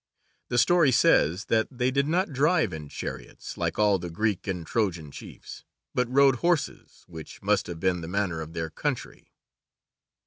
The story says that they did not drive in chariots, like all the Greek and Trojan chiefs, but rode horses, which must have been the manner of their country.